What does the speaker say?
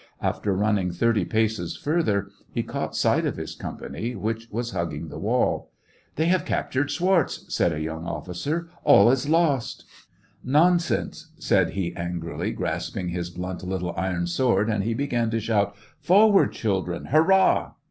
After running thirty paces further, he caught sight of his company, which was hugging the wall. They have captured Schwartz," said a young officer. *' All is lost !"" Nonsense !" said he, angrily, grasping his blunt little iron sword, and he began to shout :—" Forward, children ! Hurrah